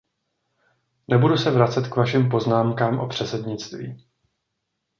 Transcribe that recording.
Nebudu se vracet k vašim poznámkám o předsednictví.